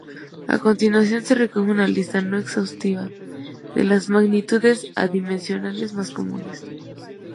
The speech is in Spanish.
A continuación se recoge una lista no exhaustiva de las magnitudes adimensionales más comunes.